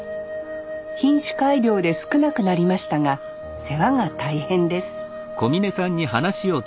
品種改良で少なくなりましたが世話が大変です